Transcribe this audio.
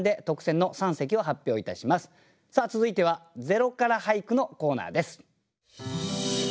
さあ続いては「０から俳句」のコーナーです。